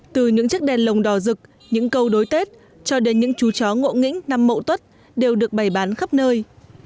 từ những chiếc đèn lồng đỏ rực những câu đối tết cho đến những chú chó ngộ nghĩnh nằm mộ tuất đều được bày bán khắp nơi